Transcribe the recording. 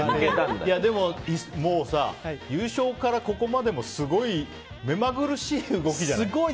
でも、優勝からここまでもすごいめまぐるしい動きじゃない。